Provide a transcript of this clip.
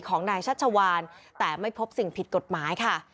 ของนายชัชวานแต่ไม่พบสิ่งผิดกฎหมายค่ะ